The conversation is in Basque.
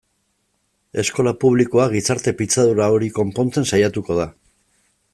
Eskola publikoa gizarte pitzadura hori konpontzen saiatuko da.